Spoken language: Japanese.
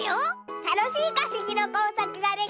たのしいかせきのこうさくができたら。